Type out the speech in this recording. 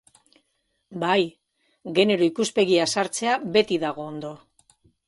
Bai, genero ikuspegia sartzea beti dago ondo.